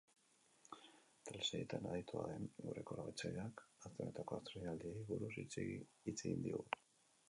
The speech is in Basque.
Telesailetan aditua den gure kolaboratzaileak aste honetako estreinaldiei buruz hitz egin digu.